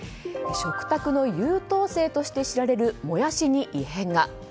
食卓の優等生として知られるモヤシに異変が。